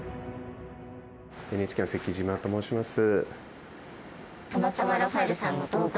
ＮＨＫの関島と申します。